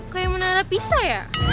kayak menara pisau ya